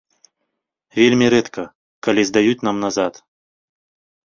Вельмі рэдка, калі здаюць нам назад.